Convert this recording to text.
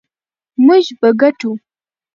موږ به ګټو.